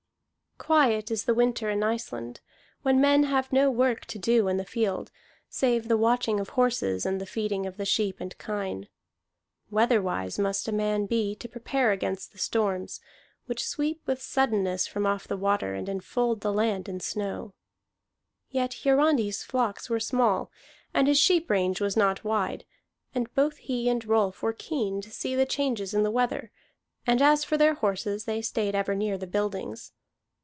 Quiet is the winter in Iceland, when men have no work to do in the field, save the watching of horses and the feeding of the sheep and kine. Weatherwise must a man be to prepare against the storms, which sweep with suddenness from off the water and enfold the land with snow. Yet Hiarandi's flocks were small, and his sheep range was not wide, and both he and Rolf were keen to see the changes in the weather; and as for their horses, they stayed ever near the buildings.